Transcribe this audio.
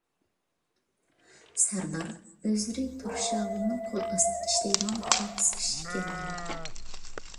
سەردار، ئۆزلىرى تۇرشاۋۇلنىڭ قول ئاستىدا ئىشلەيدىغان قالتىس كىشى ئىكەنلا.